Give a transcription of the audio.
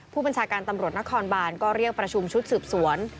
ผู้บัญชาการตำรวจนครบานก็เรียกประชุมชุดสืบสวน